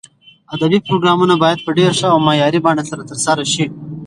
ادبي پروګرامونه باید په ډېر ښه او معیاري بڼه سره ترسره شي.